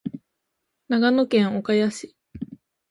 長野県岡谷市